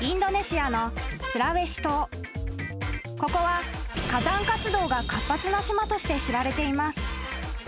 ［ここは火山活動が活発な島として知られています］